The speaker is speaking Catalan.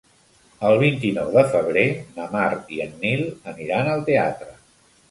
El vint-i-nou de febrer na Mar i en Nil aniran al teatre.